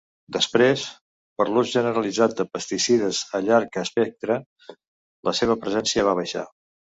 Després, per l'ús generalitzat de pesticides a llarg espectre, la seva presència va baixar.